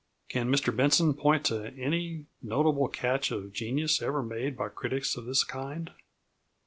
Can Mr Benson point to any notable catch of genius ever made by critics of this kind?